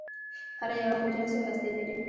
هره یوه حجره څو هستې لري.